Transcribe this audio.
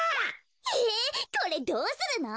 へえこれどうするの？